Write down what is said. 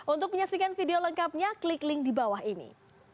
untuk menyaksikan video lengkapnya klik link di bawah ini